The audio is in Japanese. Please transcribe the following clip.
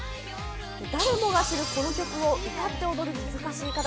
誰もが知るこの曲を歌って踊る難しい課題。